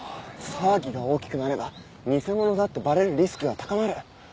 騒ぎが大きくなれば偽物だってバレるリスクが高まる。